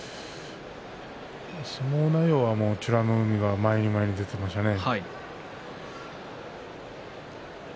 相撲内容は美ノ海が前に出ていましたね。